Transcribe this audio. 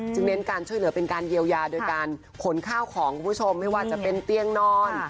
เน้นการช่วยเหลือเป็นการเยียวยาโดยการขนข้าวของคุณผู้ชมไม่ว่าจะเป็นเตียงนอน